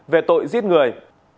về tội giết người